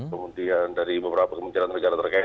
kemudian dari beberapa kementerian negara terkait